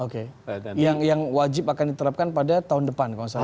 oke yang wajib akan diterapkan pada tahun depan kalau tidak salah